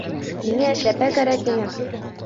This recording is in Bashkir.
Миңә эшләпә кәрәк ине